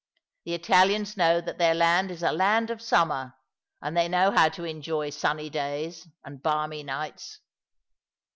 The Italians know that their land is a land of summer, and they know how to enjoy sunny days and balmy nights.